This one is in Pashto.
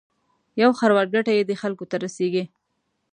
یو خروار ګټه یې دې خلکو ته رسېږي.